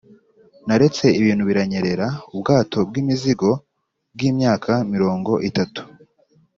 naretse ibintu biranyerera, ubwato bwimizigo bwimyaka mirongo itatu